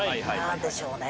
何でしょうね？